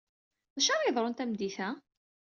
D acu ara yeḍrun tameddit-a?